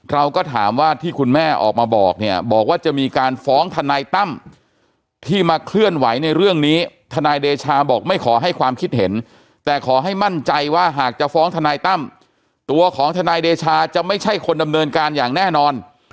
เราก็ถามว่าที่คุณแม่ออกมาบอกเนี่ยบอกว่าจะมีการฟ้องทนายตั้มที่มาเคลื่อนไหวในเรื่องนี้ทนายเดชาบอกไม่ขอให้ความคิดเห็นแต่ขอให้มั่นใจว่าหากจะฟ้องทนายตั้มตัวของทนายเดชาจะไม่ใช่คนดำเนินการอย่างแน่นอน